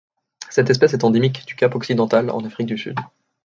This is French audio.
Cette espèce est endémique du Cap-Occidental en Afrique du Sud.